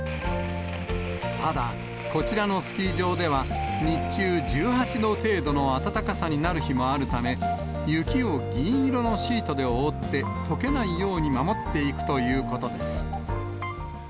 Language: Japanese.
ただ、こちらのスキー場では、日中１８度程度の暖かさになる日もあるため、雪を銀色のシートで覆って、とけないように守っていくということです。